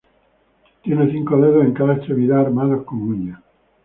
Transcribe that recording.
Tiene cinco dedos en cada extremidad armados con uñas.